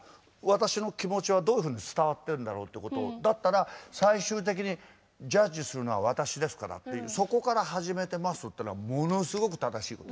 私の気持ちはどういうふうに伝わってるんだろうっていうことだったら「最終的にジャッジするのは私ですから」っていう「そこから始めてます」っていうのはものすごく正しいこと。